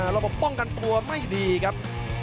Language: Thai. ระบบป้องกันตัวไม่ดีครับ